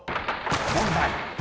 問題］